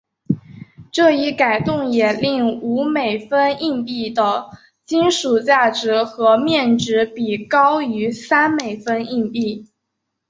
这一改动也令五美分硬币的金属价值和面值比高于三美分硬币。